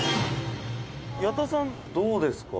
「矢田さんどうですか？」